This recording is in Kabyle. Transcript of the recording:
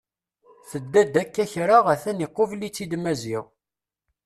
Tedda-d akka kra a-t-an iqubel-itt-id Maziɣ.